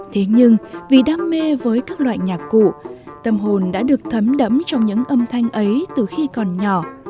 thế nhưng vì đam mê với các loại nhạc cụ tâm hồn đã được thấm đẫm trong những âm thanh ấy từ khi còn nhỏ